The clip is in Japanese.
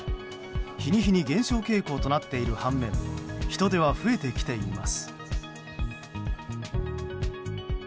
日に日に減少傾向となっている半面、人出は増えてきています。